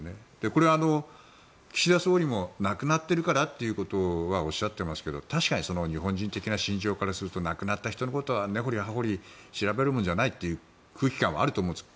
これは、岸田総理も亡くなっているからということはおっしゃってますけど確かに日本人的な心情からすると亡くなった人のことを根掘り葉掘り調べるものじゃないという空気感はあると思うんです。